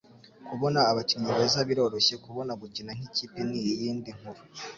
Kubona abakinnyi beza biroroshye. Kubona gukina nk'ikipe ni iyindi nkuru. ”